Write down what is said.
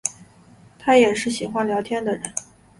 她也是喜欢聊天的人